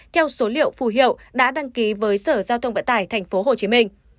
theo số liệu phù hiệu đã đăng ký với sở giao thông vận tải tp hcm